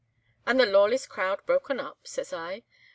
"'And the Lawless crowd broken up?' says I.